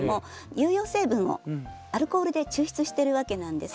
有用成分をアルコールで抽出してるわけなんです。